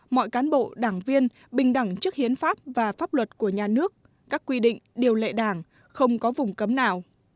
mọi cán bộ đảng viên bình đẳng trước hiến pháp và pháp luật của nhà nước các quy định điều lệ đảng không có vùng cấm nào